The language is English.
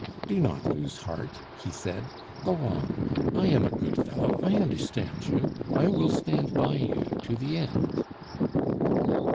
"Do not lose heart," he said; "go on! I am a good fellow, I understand you; I will stand by you to the end."